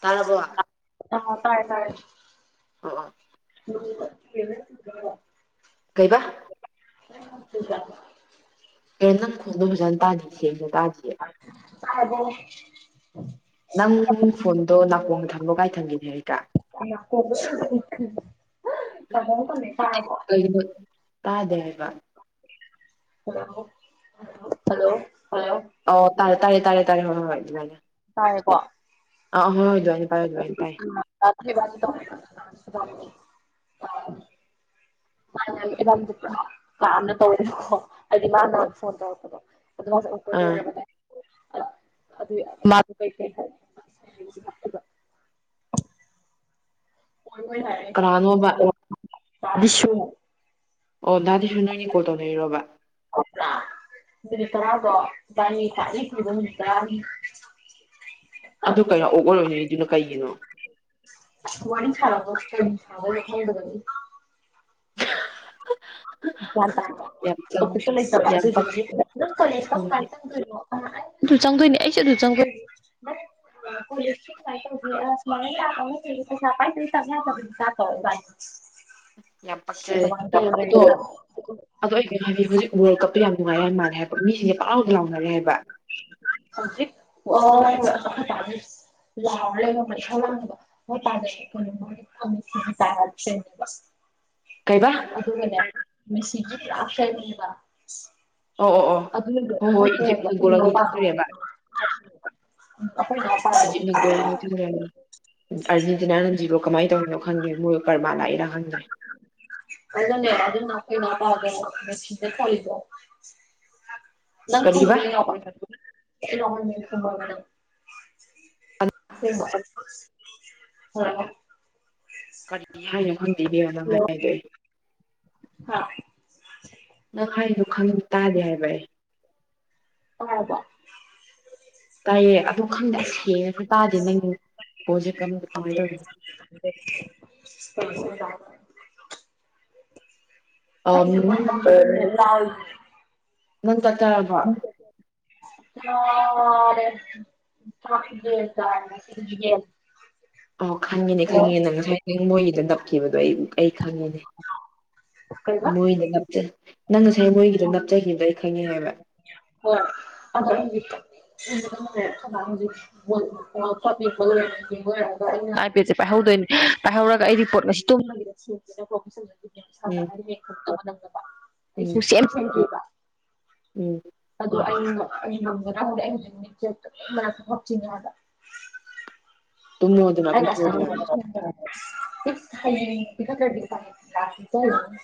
ꯇꯥꯔꯔꯕꯣ ꯑꯥ ꯇꯥꯏ ꯇꯥꯏ [inaudible] [unintelligible] ꯀꯩꯕꯥ [unintelligible] ꯀꯩꯅꯣ ꯅꯪ ꯈꯣꯟꯗꯣ ꯐꯖꯟ ꯇꯥꯗꯤꯌꯦ ꯁꯦꯡꯅ ꯇꯥꯗꯤꯌꯦ ꯇꯔꯕꯣ ꯅꯪ ꯐꯣꯟꯗꯣ ꯅꯥꯀꯣꯡ ꯊꯝꯕꯔꯣ ꯀꯥꯏ ꯊꯝꯒꯦ ꯅꯦꯔꯦꯀꯥ ꯅꯀꯣꯟꯗꯣ ꯁꯥꯖꯠꯔꯦ ꯅꯀꯣꯡꯗ ꯊꯝꯃꯦ ꯇꯔꯕꯣ [unintelligible] ꯇꯥꯗꯦ ꯍꯥꯏꯕ ꯍꯜꯂꯣ ꯍꯜꯂꯣ ꯑꯣ ꯇꯔꯦ ꯇꯔꯦ ꯇꯔꯦ ꯇꯔꯦ ꯍꯣꯏ ꯍꯣꯏ ꯑꯗꯨꯃꯥꯏꯅ ꯇꯥꯔꯦꯀꯣ ꯑꯥ ꯍꯣꯏ ꯍꯣꯏ ꯑꯗꯨꯥꯃꯥꯏꯅ ꯄꯥꯏꯌꯣ ꯑꯗꯨꯃꯥꯏꯅ ꯄꯥꯏꯌꯣ [unintelligible] ꯃꯥ [unintelligible] ꯄꯨꯔꯥ ꯀꯥꯅ ꯇꯧꯔꯛꯄꯗꯣ ꯍꯥꯏꯗꯤ ꯃꯥꯅ ꯐꯣꯟ ꯇꯧꯔꯛꯄꯗꯣ ꯑꯗꯨ ꯑꯥ ꯃꯥꯁ [unintelligible] ꯍꯣꯏ ꯍꯣꯏ ꯍꯥꯏꯔꯛꯏꯕ ꯀꯅꯥꯅꯣꯕ [unintelligible] ꯑꯣ ꯗꯥꯗꯤꯁꯨ ꯅꯣꯏꯒꯤ ꯀꯣꯜ ꯇꯧꯅꯩꯔꯣꯕ ꯥ ꯅꯨꯃꯤꯠ ꯇꯔꯥꯗꯣ ꯏꯕꯅꯤꯒꯤ ꯈꯋꯥꯏꯗꯒꯤ ꯀꯤꯕ ꯅꯨꯃꯤ ꯇꯥꯅꯤ ꯑꯗꯨ ꯀꯩꯔ ꯑꯣꯛꯂꯔꯣꯏ ꯑꯗꯨꯅ ꯀꯩꯒꯤꯅꯣ ꯋꯥꯔꯤ ꯁꯥꯅꯕ ꯀꯔꯤ ꯁꯥꯅꯗꯣꯏꯅꯣ ꯈꯪꯗꯕꯒꯤ ꯒ꯭ꯌꯥꯟ ꯇꯥꯕ꯭ꯔ ꯌꯥꯝ ꯆꯪꯉꯦ ꯇꯣꯄꯤꯛꯁꯨ ꯂꯩꯇꯕ ꯌꯥꯝ ꯄꯛ ꯑꯗꯨꯗꯨꯒꯤ ꯅꯪ ꯀꯔꯤ ꯍꯣꯏ ꯀꯔꯝꯀꯥꯟ ꯆꯪꯗꯣꯏꯅꯣ ꯑꯗꯨꯁꯨ ꯑꯗꯨꯗꯥ ꯆꯪꯗꯣꯏꯅꯤ ꯑꯩꯁꯨ ꯑꯗꯨꯗꯨ ꯆꯪꯗꯣꯏꯅꯤ [unintelligible] ꯌꯥꯝ ꯄꯛꯆꯔꯦ ꯑꯗꯣ ꯑꯗꯣ ꯑꯩ ꯀꯩꯅꯣ ꯍꯥꯏꯕꯤ ꯍꯧꯖꯤꯛ ꯋꯥꯔꯜ ꯀꯞꯇ ꯌꯥꯝ ꯅꯨꯡꯉꯥꯏꯔꯦ ꯃꯥꯜꯂꯦ ꯍꯥꯏꯕ ꯃꯤꯁꯤꯡꯁꯦ ꯄꯪꯂꯥꯎꯗ ꯂꯥꯎꯅꯔꯦ ꯍꯥꯏꯕ ꯍꯧꯖꯤꯛ ꯑꯩꯈꯣꯏ ꯄꯥ ꯂꯥꯎꯔ ꯂꯩꯕ ꯏꯁꯧ ꯂꯥꯡꯏꯕ [unintelligible] ꯀꯩꯕꯥ ꯑꯗꯨꯒꯅꯦ ꯃꯦꯁꯤꯒꯤ ꯄꯨꯔꯥ ꯐꯦꯟ ꯅꯦꯕꯥ ꯑꯣ ꯑꯣ ꯑꯣ ꯑꯗꯨꯗꯣ [unintelligible] ꯍꯣꯏ ꯍꯣꯏ ꯑꯩꯈꯣꯏ ꯏꯖꯤꯞꯅ ꯒꯣꯂꯅꯤ ꯇꯧꯈ꯭ꯔꯦꯕ [unintelligible] ꯑꯔꯖꯦꯟꯇꯤꯅꯥ ꯖꯤꯔꯣ ꯀꯃꯥꯏꯅ ꯇꯧꯔꯤꯅꯣ ꯈꯪꯗꯦ ꯃꯣꯏ ꯀꯔꯃ ꯂꯛꯏꯔ ꯈꯪꯗ꯭ꯔꯦ ꯀꯩꯅꯣꯅꯦ ꯑꯗꯨꯅ ꯑꯩꯈꯣꯏ ꯏꯅꯥꯎꯄꯥꯗꯣ ꯃꯦꯁꯤꯅꯦ ꯈꯜꯂꯤꯗꯣ ꯅꯪ ꯀꯔꯤꯕ ꯈꯪꯕꯔ ꯑꯩ ꯏꯅꯥꯎꯄ ꯃꯁꯛ ꯏꯅꯥꯎꯄꯥ ꯃꯁꯛ ꯈꯪꯕꯔ ꯑꯁꯦꯡꯕ ꯍꯣꯏ ꯍꯣꯏ ꯀꯔꯤ ꯍꯥꯏꯅꯣ ꯈꯪꯗꯦ ꯏꯕꯦꯝꯃ ꯅꯪ ꯍꯥꯏꯗꯣ ꯑꯩ [unintelligible] ꯅꯪ ꯍꯥꯏꯗꯣ ꯈꯪꯗꯦ ꯇꯥꯗꯦ ꯍꯥꯏꯕ ꯑꯩ [unintelligible] ꯇꯥꯏꯌꯦ ꯑꯗꯨ ꯈꯪꯗꯦ ꯑꯁ ꯍꯦꯁꯨ ꯇꯥꯗꯦ ꯅꯪ ꯍꯣꯖꯤꯛ ꯀꯃꯥꯏꯅ ꯇꯧꯗꯅꯣ [unintelligible] ꯑꯝ [unintelligible] ꯅꯪ ꯆꯥꯛꯆꯥꯔꯑꯕꯣ [unintelligible] ꯑꯣ ꯈꯪꯉꯦꯅꯦ ꯈꯪꯉꯦꯅꯦ ꯉꯁꯥꯏ ꯃꯣꯏꯒꯤꯗ ꯅꯞꯈꯤꯕꯗꯣ ꯑꯩ ꯑꯩ ꯈꯪꯉꯦꯅꯦ ꯃꯣꯏꯅ ꯅꯞꯖꯟ ꯅꯪ ꯉꯁꯥꯏ ꯃꯣꯏꯒꯤꯗ ꯅꯝꯖꯟ [unintelligible] ꯑꯩ ꯈꯪꯉꯦ ꯍꯥꯏꯕ [unintelligible] [unintelligible] ꯑꯥꯏ ꯄꯦꯠꯁꯦ ꯄꯥꯏꯍꯧꯗꯣꯏꯅꯦ ꯄꯥꯏꯍꯧꯔꯒ ꯑꯩꯗꯤ ꯄꯣꯠ ꯎꯝ ꯎꯝ [unintelligible] [unintelligible] ꯎꯝ [unintelligible] ꯇꯨꯝꯃꯣ [unintelligible]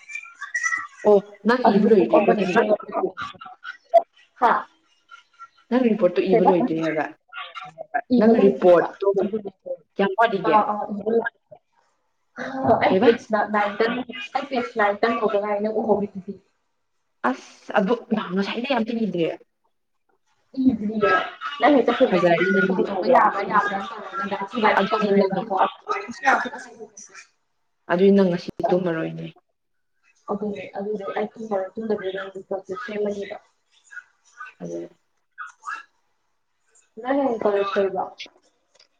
ꯑꯣ ꯅꯪ ꯏꯕ ꯂꯣꯏꯗ꯭ꯔꯤꯀꯣ ꯅꯪ [unintelligible] ꯅꯪ ꯔꯤꯄꯣꯔꯠꯇꯨ ꯏꯕ ꯂꯣꯏꯗꯔꯤ ꯍꯥꯏꯕ ꯏꯕ ꯅꯪ ꯂꯣꯏꯗꯔꯤꯕ ꯔꯤꯄꯣꯔꯠꯇꯣ ꯑꯥꯗꯨꯗꯨꯒꯤ ꯀꯌꯥꯝ ꯋꯥꯠꯂꯤꯒꯦ ꯑꯥ ꯑꯥ ꯏꯕ ꯂꯣꯏꯗꯔꯤ ꯀꯩꯕ [unintelligible] ꯑꯁ ꯑꯗꯨ [unintelligible] ꯐꯖꯔꯦ ꯅꯪꯗꯤ [unintelligible] ꯑꯗꯨꯗꯤ ꯅꯪ [unintelligible] ꯑꯗꯨꯏ ꯅꯪ ꯉꯁꯤꯗꯤ ꯇꯨꯝꯃꯔꯣꯏꯅꯦ [unintelligible] [unintelligible] ꯅꯪ ꯍꯌꯦꯡ ꯀꯣꯂꯦꯁ ꯂꯩꯕꯔꯣ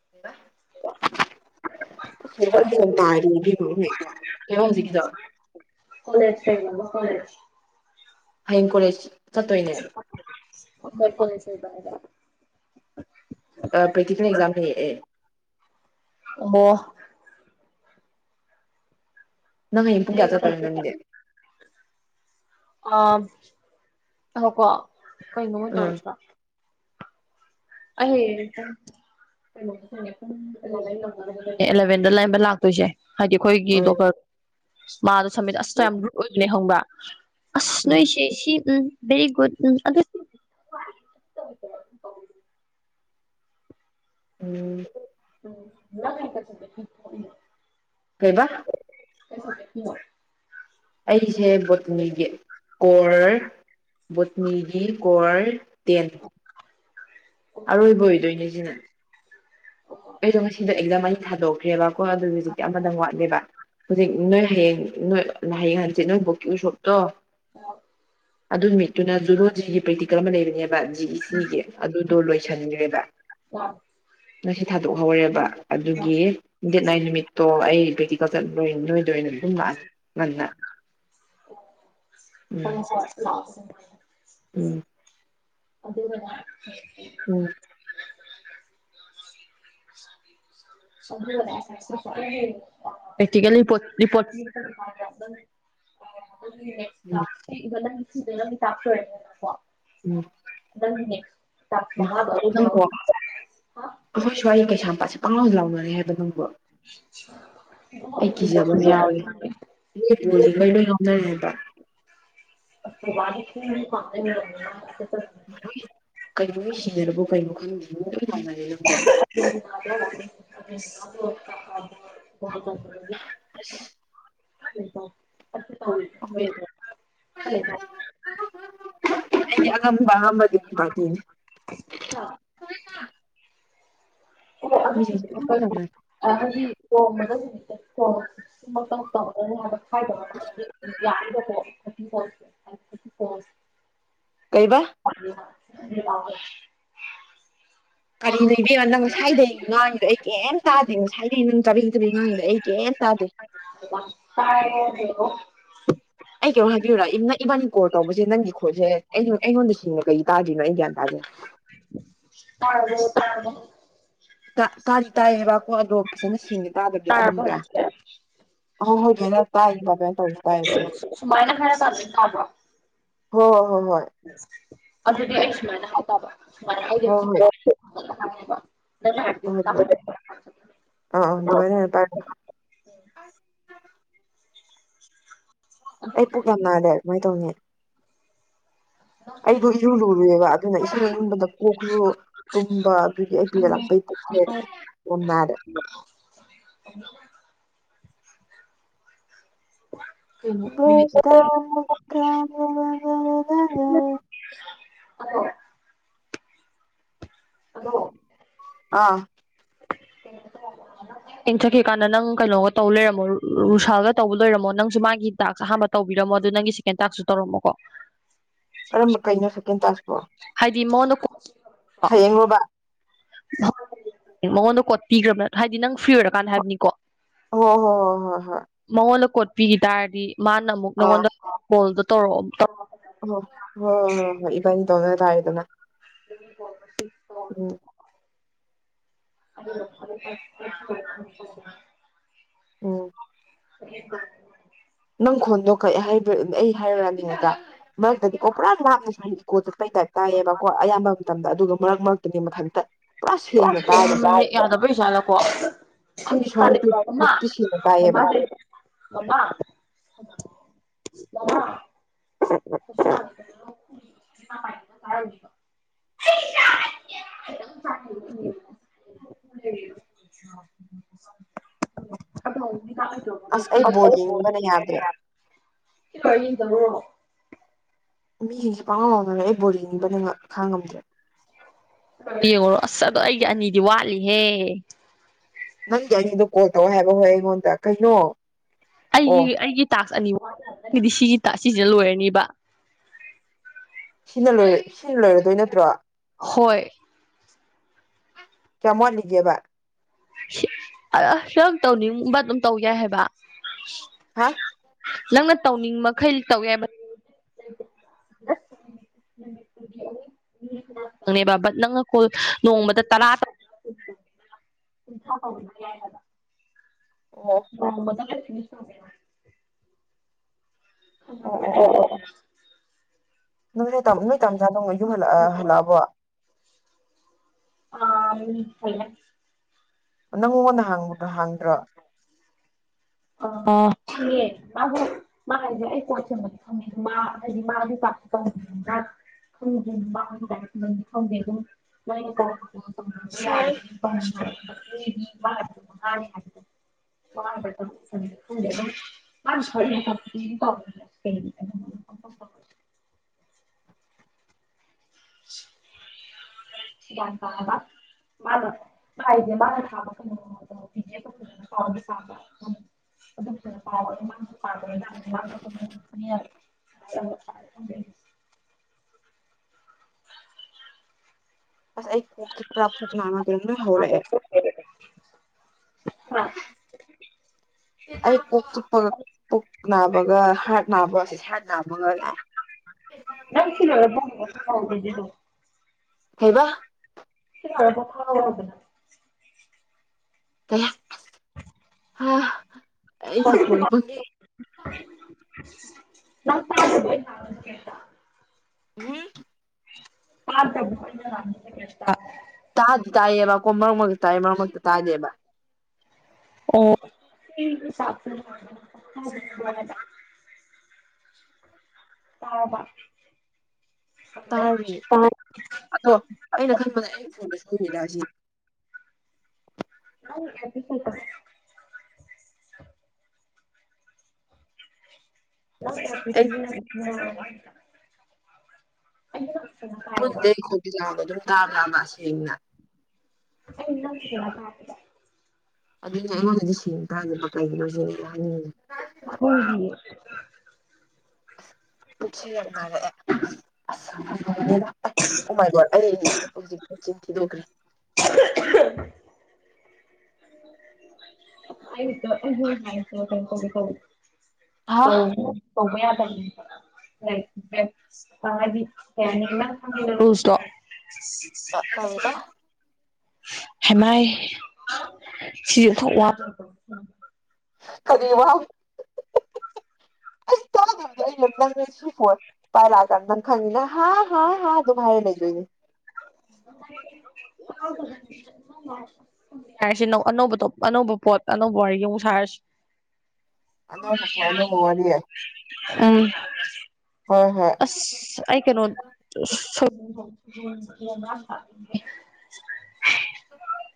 [unintelligible] [unintelligible] [unintelligible] ꯍꯌꯦꯡ ꯀꯣꯂꯦꯁ ꯆꯠꯇꯣꯏꯅꯦ ꯍꯣꯏ [unintelligible] ꯑꯄ꯭ꯦꯛꯇꯤꯀꯦꯜ ꯑꯦꯛꯖꯥꯝ ꯅꯤꯌꯦ ꯑꯩ ꯑꯣ ꯅꯪ ꯍꯌꯦꯡ ꯄꯨꯡ ꯛꯌꯥꯗ ꯆꯡꯇꯣꯏꯅꯣ [unintelligible] ꯑ ꯉꯥꯏꯈꯣꯀꯣ ꯀꯩꯅꯣ ꯃꯣꯏ ꯎꯝ ꯇꯧꯔꯝꯁꯤꯕꯣ [unintelligible] [unintelligible] ꯑꯦꯂꯚꯦꯟꯗ ꯂꯩꯔꯝꯕ ꯂꯥꯛꯇꯣꯏꯁꯦ ꯍꯥꯏꯗꯤ ꯑꯩꯈꯣꯏꯒꯤ ꯎꯝ ꯗꯣꯛꯇꯔ ꯃꯥꯗꯣ ꯁꯝꯃꯤꯠ ꯑꯁꯇ ꯌꯥꯝ ꯔꯨꯠ ꯑꯣꯏꯕꯅꯦ ꯈꯪꯕ ꯑꯁ ꯎꯝ ꯅꯣꯏꯁꯦ ꯁꯤ ꯎꯝ ꯚꯦꯔꯤ ꯒꯨꯗ ꯎꯝ ꯑꯗꯨ ꯎꯝ [unintelligible] ꯀꯩꯕꯥ ꯑꯩꯁꯦ ꯕꯣꯇꯅꯤꯒꯤ ꯀꯣꯔ ꯕꯣꯠꯅꯤꯒꯤ ꯀꯣꯔ ꯇꯦꯟ ꯑꯔꯣꯏꯕ ꯑꯣꯏꯗꯣꯏꯅꯦ ꯁꯤꯅ [unintelligible] ꯑꯩꯗꯣ ꯉꯁꯤꯗꯣ ꯑꯦꯛꯖꯝ ꯑꯅꯤ ꯊꯥꯗꯣꯛꯈ꯭ꯔꯦꯕ ꯀꯣ ꯑꯗꯨ ꯍꯧꯖꯤꯛꯇꯤ ꯑꯃꯗꯪ ꯋꯥꯠꯂꯦꯕ ꯍꯧꯖꯤꯛ ꯅꯣꯏ ꯍꯌꯦꯡ ꯅꯣꯏ ꯍꯌꯦꯡ ꯍꯪꯆꯤꯠ ꯅꯣꯏ ꯕꯣꯛꯀꯤ ꯎꯁꯣꯞꯇꯣ [unintelligible] ꯑꯗꯨ ꯅꯨꯃꯤꯠꯇꯨꯅ ꯖꯨꯨꯂꯣꯖꯤꯒꯤ ꯄ꯭ꯔꯦꯛꯇꯤꯀꯜ ꯑꯃ ꯂꯩꯕꯅꯦꯕ ꯖꯤꯏꯁꯤꯒꯤ ꯑꯗꯨꯗꯩ ꯂꯣꯏꯁꯟꯈ꯭ꯔꯦꯕ [unintelligible] ꯉꯁꯤ ꯊꯥꯗꯣꯛꯍꯧꯔꯦꯕ ꯑꯗꯨꯒꯤ ꯗꯦꯠ ꯅꯥꯏꯟ ꯅꯨꯃꯤꯠꯇꯣ ꯑꯩ ꯄ꯭ꯔꯦꯛꯇꯤꯀꯜ ꯆꯠꯂꯣꯏ ꯅꯣꯏ ꯑꯣꯏꯅ ꯑꯗꯨꯝ ꯂꯥꯛꯑꯅꯤ ꯉꯟꯅ ꯎꯝ [unintelligible] ꯎꯝ ꯑꯗꯨꯒꯅꯦ ꯎꯝ [unintelligible] ꯁ [unintelligible] ꯑꯦꯛꯇꯤꯀꯦꯜ ꯂꯤꯄꫭꯠ ꯎꯝ ꯔꯤꯄꫭꯠ [unintelligible] ꯎꯝ ꯑꯗꯨꯒꯤꯅꯦ ꯃꯥ ꯅꯪꯕꯨꯣ ꯑꯩꯈꯣꯏ ꯁ꯭ꯋꯥꯏ ꯀꯩꯁꯥꯝꯄꯥꯠꯁꯦ ꯄꯪꯥꯎ ꯂꯥꯎꯅꯔꯦ ꯍꯥꯏꯕ ꯅꯪꯕꯣ [unintelligible] [unintelligible] ꯉꯥꯎꯅꯋꯦꯕ [unintelligible] ꯀꯩꯅꫭ ꯃꯤ ꯁꯤꯅꯔꯕꫭ ꯀꯩꯅꫭ ꯈꯪꯗꯦ ꯃꯤ ꯂꯣꯏ ꯂꯥꯎꯅꯔꯛꯑꯦ ꯅꯪꯕꫭ [unintelligible] ꯍ [unintelligible] ꯑꯩꯈꯣꯏ ꯍ [unintelligible] ꯑꯩꯗꯤ ꯑꯉꯝꯕ ꯑꯉꯝꯕꯗꯤ [unintelligible] [inaudible] ꯃꯤꯁꯤꯡꯁꯦ ꯂꯣꯏ ꯑꯗꯨ ꯉꯥꯎꯅꯔꯦ ꯀꯩꯅꫭ ꯍꯥꯏꯗꯤ [unintelligible] [unintelligible] [unintelligible] ꯀꯩꯕꯥ [unintelligible] ꯀꯔꯤꯅꯣ ꯏꯕꯦꯝꯃꯥ ꯅꯪ ꯉꯁꯥꯏꯗꯒꯤ ꯉꯥꯡꯉꯤꯗꯣ ꯑꯩ ꯀꯩꯝ ꯇꯥꯗꯦ ꯉꯁꯥꯏꯗꯩ ꯅꯪ ꯆꯕꯦꯡ ꯆꯕꯦꯡ ꯉꯥꯡꯉꯤꯗꯣ ꯑꯩ ꯀꯩꯝ ꯇꯥꯗꯦ [unintelligible] ꯑꯩ ꯀꯩꯅꯣꯝ ꯍꯥꯏꯕꯤꯌꯨꯨꯔꯥ ꯏ ꯏꯕꯥꯟꯅꯤ ꯀꯣꯜ ꯇꯧꯕꯁꯦ ꯅꯪꯒꯤ ꯈꯣꯟꯁꯦ ꯑꯩꯩꯅ ꯑꯩꯉꯣꯟꯗ ꯁꯦꯡꯅ ꯀꯩꯒꯤ ꯇꯥꯗꯔꯤꯅꯣ ꯑꯩ ꯒ꯭ꯌꯥꯟ ꯇꯥꯥꯗꯦ ꯇꯔꯕꫭ ꯇꯔꯕꫭ ꯇꯥ ꯇꯥꯏ ꯌꯦꯕꯀꯣ ꯑꯗꯣ ꯐꯖꯅ ꯁꯦꯡꯅ ꯇꯥꯗꯕꯗꯣ ꯈꯪꯕ꯭ꯔꯥ ꯑꯍꯧ‌ꯍꯧ [unintelligible] ꯁꯨꯃꯥꯏꯅ ꯍꯥ ꯈꯔ ꯁꯥꯕꯗꯤ ꯐꯥꯎꯕꫪꫭ ꯍꯣ ꯍꯣꯏ ꯍꯣꯏ ꯍꯣꯏ ꯑꯗꯨꯗꯤ ꯑꯩ ꯁꯨꯃꯥꯏꯅ ꯍꯥꯏ ꯇꯕ ꯁꯨꯃꯥꯏꯅ ꯑꯩ ꯍꯣꯏ ꯍꯣꯏ ꯍꯣꯏ ꯍꯥꯏꯕ ꯅꯪꯅ ꯍꯥꯏꯕꯗꯨ ꯍꯣꯏ ꯍꯣꯏ ꯍꯣꯏ ꯇꯥꯍꯧꯗꯦ ꯑꯥ ꯑꯥ ꯑꯗꯨꯃꯥꯏ ꯍꯥꯏꯌꫭ ꯇꯥꯏ ꯑꯩ ꯄꯨꯛ ꯌꯥꯝ ꯅꯥꯔꯦ ꯀꯃꯥꯏ ꯇꯧꯅꯤ ꯑꯩꯗꯨ ꯏꯔꯨ ꯂꯨꯔꯨꯔꯦꯕ ꯑꯗꯨꯅ ꯏꯁꯤꯡ ꯏꯪꯕꯗ ꯀꯣꯛꯁꯨ ꯇꯨꯝꯕ ꯑꯗꯨꯒꯤ ꯑꯩ ꯄꯦꯔꯠ ꯂꯥꯛꯄꯩ ꯄꯨꯛꯁꯦ ꯑꯣꯝꯅꯔꯦ [unintelligible] ꯍꯜꯂꫭ ꯍꯜꯂꫭ ꯑꯥ [unintelligible] ꯏꯟ ꯆꯠꯈꯤꯀꯥꯟꯗ ꯅꯪ ꯀꯩꯅꯣꯒ ꯇꯧꯕ ꯂꯩꯔꯝꯃꯣ ꯔꯨꯁꯥꯜꯒ ꯇꯧꯕ ꯂꫭꯏꯔꯝꯃꯣ ꯅꯪꯁꯨ ꯃꯥꯒꯤ ꯇꯥꯛꯁ ꯑꯍꯥꯟꯕ ꯇꯧꯕꯤꯔꯝꯃꫭ ꯑꯗꯨ ꯅꯪꯒꯤ ꯍꯦꯟꯇꯥꯛꯁꯨ ꯇꯧꯔꯝꯃꯣꯀꯣ ꯀꯔꯝꯕ ꯀꯩꯅꯣ ꯁꯦꯀꯦꯟ ꯇꯥꯛꯁꯄꯨ ꯍꯥꯏꯗꯤ ꯃꯉꫭꯜꯗ ꯀꫭ ꯍꯌꯦꯡꯂꫭꯕ ꯃꯉꯣꯟꯗ ꯀꯣꯠ ꯄꯤꯒ꯭ꯔꯕ ꯍꯥꯏꯗꯤ ꯅꯪ ꯐ꯭ꯔꯤ ꯑꯣꯏꯔꯀꯥꯟꯗ ꯍꯥꯏꯕꯅꯤꯀꯣ ꯍꯣ ꯍꯣ ꯍꯣ ꯍꯣꯏ ꯃꯉꯣꯟꯗ ꯀꯣꯠ ꯄꯤꯒꯤ ꯇꯥꯔꯗꯤ ꯃꯥꯅ ꯑꯃꯨꯛ ꯑꯥ ꯅꯪꯉꯣꯟꯗ ꯀꯣꯜꯗꯣ ꯇꯧꯔꯛꯑꫭ ꯍꯣ ꯍꫭ ꯏꯕꯟꯅꯤ ꯇꯧꯅ ꯇꯥꯔꯦꯗꯅ [unintelligible] ꯎꯝ ꯎꯝ [unintelligible] ꯅꯪ ꯈꯣꯟꯗꯣꯛ ꯑꯩ ꯍꯥꯏꯔꯨꯔꯃꯤꯉꯗ ꯃꯔꯛꯇꯗꯤ ꯀꯣ ꯄꯨꯔꯥ ꯂꯥꯞꯅ ꯁꯨꯅ ꯏꯀꯣ ꯆꯠꯄꯩ ꯇꯥꯏꯞ ꯇꯥꯏꯌꯦꯕꯀꯣ ꯑꯌꯥꯝꯕ ꯃꯇꯝꯗ ꯑꯗꯨꯒ ꯃꯔꯛ ꯃꯔꯛꯇꯗꯤ ꯃꯊꯟꯇ ꯄꯨꯔꯥ ꯁꯦꯡꯅ ꯇꯥꯔꯤꯕ ꯈꯪꯗꯦ [unintelligible] ꯁꯨꯃꯥꯏꯅꯁꯨ ꯍꯧꯖꯤꯛꯇꯤ ꯁꯦꯡꯅ ꯇꯥꯏꯌꯦꯕ [unintelligible] [unintelligible] [unintelligible] [unintelligible] ꯑꯁ ꯑꯩ ꯕꯣꯜ ꯌꯦꯡꯅꯤꯡꯕꯅ ꯌꯥꯗ꯭ꯔꯦ [unintelligible] [unintelligible] ꯃꯤꯁꯤꯡꯁꯤ ꯄꯥꯡꯉꯧ ꯂꯥꯎꯅꯔꯦ ꯑꯩ ꯕꯣꯜ [unintelligible] ꯈꯥꯡ ꯉꯝꯗ꯭ꯔꯦ ꯌꯦꯡꯉꯨꯔꯣ ꯑꯁ ꯑꯗꯣ ꯑꯩꯒꯤ ꯑꯅꯤꯗꯤ ꯋꯥꯠꯂꯤꯍꯦ ꯅꯪꯗꯤ ꯑꯅꯤꯗꯣ ꯀꯣꯜ ꯇꯧ ꯍꯥꯏꯕ ꯍꯣꯏ ꯑꯩꯉꯣꯟꯗ ꯀꯩꯅꯣ ꯑꯩꯒꯤ ꯑꯣ ꯑꯩꯒꯤ ꯇꯥꯛꯁ ꯑꯅꯤꯃꯛꯗꯤ ꯁꯤꯒꯤ ꯇ ꯁꯤꯁꯤꯅ ꯂꯣꯏꯔꯅꯤꯕ ꯁꯤꯅ ꯂ ꯁꯤꯅ ꯂꯣꯏꯔꯗꯣꯏ ꯅꯠꯇ꯭ꯔꯣ ꯍꯣꯏ ꯀꯌꯥꯝ ꯋꯥꯠꯂꯤꯒꯦꯕ ꯑ ꯁꯪ ꯇꯧꯅꯤꯡꯕ ꯑꯗꯨꯝ ꯇꯧ ꯌꯥꯏ ꯍꯥꯏꯕ ꯍꯥ ꯅꯪꯅ ꯇꯧꯅꯤꯡ ꯃꯈꯩ ꯇꯧꯋꯦ ꯍꯥꯏꯕ ꯈꯪꯅꯦꯕ ꯕꯠ ꯅꯪꯅ ꯀꯣ ꯅꯣꯡꯃꯗ ꯇꯔꯥ ꯊꯥ ꯇꯧ ꯌꯥꯏ ꯑꯣꯎ [inaudible] ꯈꯪꯉꯕ꯭ꯔꯥ ꯑꯣ ꯑꯣ [inaudible] ꯅꯣꯏ ꯇꯝꯖꯥ ꯗꯣ ꯌꯨꯝ ꯍꯜ ꯑ ꯍꯜꯂꯑꯕꯣ ꯍꯥꯝ ꯀꯨꯏꯌꯦ ꯅꯪ ꯃꯉꯣꯟꯗ ꯍꯡꯕꯗꯣ ꯍꯡꯗ꯭ꯔꯣ ꯑ ꯁꯤꯉꯦ ꯃꯥꯕꯨ ꯃꯥ ꯍꯥꯏꯁꯦ ꯑꯩ ꯄꯣꯠꯆꯗꯤ ꯐꯪꯉꯦ ꯃꯥ ꯑꯩ ꯃꯥꯒꯤ ꯆꯥꯛ [inaudible] [inaudible] ꯑꯗꯨꯝ ꯅꯣꯏ ꯑꯅꯤ ꯀꯥ ꯇꯣꯠꯉꯥꯟ ꯇꯣꯡꯉꯥꯟꯒꯦ ꯁꯥꯏ [inaudible] ꯑꯨꯝ ꯍꯥꯏ ꯍꯥꯏꯁꯤꯇꯤ ꯃꯥꯅ ꯃꯔ ꯇ ꯀ ꯀꯕ ꯃꯥꯅ ꯥꯏꯁꯦ ꯃꯥꯅ ꯊꯥꯕ ꯀꯩꯅꯣ ꯄꯤꯦ ꯐꯖꯅ ꯀꯥꯎꯒ ꯁꯥꯕ ꯑꯗꯨꯝ ꯐꯖꯅ ꯄꯥꯎ ꯑꯗꯨꯃꯥꯡꯁꯨ ꯄꯥꯗꯅꯤꯥꯡꯗꯅꯤꯔꯦ ꯑ ꯑꯁ ꯑꯩ ꯀꯣꯛꯁꯤ ꯄꯨꯔꯥ ꯄꯨꯛ ꯃꯗ ꯂꯣꯏ ꯍꯧꯔꯛꯑꯦ ꯑ ꯑ ꯄ ꯄꯨꯛ ꯅꯥꯕꯒ ꯍꯥꯔꯠ ꯅꯥꯕ ꯑꯁꯤꯁ ꯍꯥꯔꯠ ꯅꯥꯕꯒ ꯂꯥꯛꯑꯦ ꯅꯁꯤ ꯍꯩꯕ ꯁꯤ ꯀꯗꯅ ꯀꯌꯥ ꯑꯩ ꯉꯀꯣꯡ ꯐꯪꯉ [inaudible] ꯀꯩꯝꯇ ꯎꯝ ꯄꯇ [inaudible] ꯠꯇ ꯇꯥꯗꯤ ꯇꯥꯏꯌꯦꯕꯀꯣ ꯃꯔꯛ ꯃꯔꯛꯇ ꯇꯥꯏ ꯃꯔꯛ ꯃꯔꯛꯇ ꯇꯥꯗꯦꯕ ꯑꯣ [inaudible] ꯇꯥꯎꯕ [inaudible] ꯇꯥꯔꯤ ꯄꯥꯟ ꯑꯗꯣ ꯑꯩꯅ ꯈꯟꯕꯗ ꯑꯩ ꯐꯣꯟꯗ ꯁꯨꯃꯤꯔꯥꯖꯤ ꯥꯈꯪꯗꯦ ꯑꯗꯨꯏ ꯆꯠꯇꯣ ꯅꯪ ꯑꯦꯇꯔꯤꯛ ꯑꯩ ꯁꯤꯖꯤꯟꯅꯒꯦꯁꯨ ꯌꯥꯅꯤ ꯑꯩꯅ ꯍꯥꯏꯕ ꯆꯨꯟꯗ ꯃꯣꯏꯗꯨꯗꯩ ꯑꯩ ꯈꯣꯏ ꯅꯤꯖꯨꯌꯥꯎꯕ ꯑꯗꯨꯝ ꯇꯥ ꯇꯥꯕ ꯁꯦꯡꯅ ꯑꯩ ꯅꯪ ꯀꯩꯀꯩ ꯋꯥꯠꯄ ꯍꯥꯞꯄꯨꯒꯦ ꯑꯗꯨꯏꯗꯦ ꯑꯩꯉꯣꯟꯗꯗꯤ ꯁꯦꯡꯅ ꯇꯥꯗꯦꯕ ꯀꯩꯒꯤꯅꯣ ꯁꯤꯅꯤ ꯑꯩꯅ ꯍꯥꯏꯅꯤꯡꯉꯤꯖꯤ ꯈꯪꯗꯦꯌꯦ ꯄꯨ ꯌꯥꯝ ꯃꯥꯔꯛꯑꯦ ꯑꯁ [inaudible] ꯗ ꯑ ꯍ ꯑꯣ ꯃꯥꯏ ꯒꯣꯗ ꯑꯩ ꯍꯧꯖꯤꯛ ꯆꯤꯟ ꯊꯤꯗꯣꯛꯈ꯭ꯔꯦ ꯑꯩ ꯍꯖꯤꯛꯇ [inaudible] ꯍꯥꯏ ꯇꯧꯒꯦ ꯇꯧꯔꯤ ꯍꯥ ꯇꯧꯅꯤ ꯇꯧꯕ ꯌꯥꯗꯝꯅꯤ ꯅꯏ ꯕꯦꯟ ꯁꯟ ꯄꯥꯏꯕꯤ ꯀꯩꯍꯥꯏꯅꯤ ꯅꯪꯒꯤꯅ ꯔꯨꯜꯁꯇꯣ ꯁꯤ ꯑꯦꯁ ꯀꯔꯤꯕ ꯄꯥꯏꯞ ꯍꯦꯃꯥꯏ ꯁꯤꯁꯨ ꯑꯣꯟꯊꯣꯛ ꯋꯥꯒ ꯑ ꯑꯝ ꯀꯔꯤ ꯋꯥꯎ ꯑꯩ ꯇꯥꯗꯕꯗꯤ ꯑꯩꯅ ꯅꯪꯅꯁꯤ ꯐꯣꯟ ꯄꯥ ꯂꯥꯛꯑ ꯀꯥꯟꯗ ꯈꯪꯅ ꯍꯥ ꯍꯥ ꯍꯥ ꯑꯗꯨꯝ ꯍꯥꯏꯔ ꯂꯩꯗꯣꯏꯅꯤ [inaudible] ꯍꯥꯏꯔꯁꯤ ꯑꯅꯧꯕꯣ ꯑꯅꯧꯕ ꯄꯣꯠ ꯑꯅꯧꯕ ꯋꯥꯔꯤ ꯌꯦ ꯑꯃꯨꯛ ꯁꯥꯔꯁꯤ ꯑꯅꯧꯕ ꯄꯣ ꯑꯅꯧꯕ ꯋꯥꯔꯤ ꯌꯥ ꯎꯝ ꯍꯣꯏ ꯍꯣꯏ ꯑꯁ ꯑꯩ ꯀꯩꯅꯣ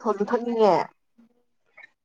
ꯊꯂꯨ ꯊꯅꯤꯡꯉꯦ